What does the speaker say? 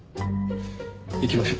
行きましょう。